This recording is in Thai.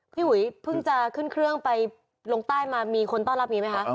พี่อุ๋ยเพิ่งจะขึ้นเครื่องไปลงใต้มามีคนต้อนรับมีไหมคะ